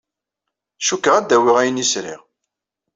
Cikkeɣ ad d-awyeɣ ayen ay sriɣ.